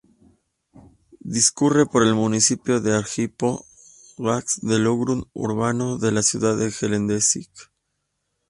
Discurre por el municipio de Arjipo-Ósipovka del ókrug urbano de la ciudad de Gelendzhik.